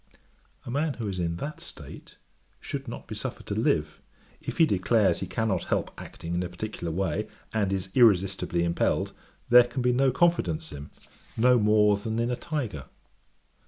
A man who is in that state, should not be suffered to live; if he declares he cannot help acting in a particular way, and is irresistibly impelled, there can be no confidence in him, no more than in a tyger.